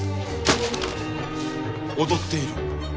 踊っている。